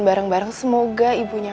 terima kasih makan idup anda